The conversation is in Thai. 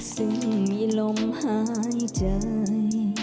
ซึ่งมีลมหายใจ